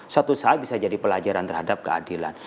suatu saat bisa jadi pelajaran terhadap keadilan